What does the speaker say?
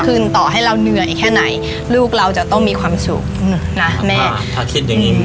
ต่อให้เราเหนื่อยแค่ไหนลูกเราจะต้องมีความสุขนะแม่ถ้าคิดอย่างงี้